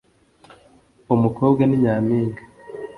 umukobwa ni nyampinga